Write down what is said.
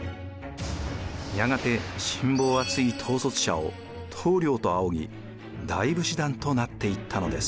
やがて信望厚い統率者を棟梁と仰ぎ大武士団となっていったのです。